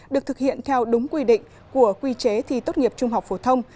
được thực hiện theo đúng quy định của quy chế thi tốt nghiệp trung học phổ thông